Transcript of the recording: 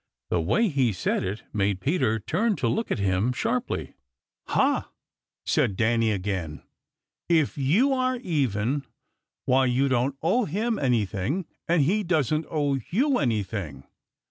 The way he said it made Peter turn to look at him sharply. "Ha!" said Danny again. "If you are even, why you don't owe him anything, and he doesn't owe you anything.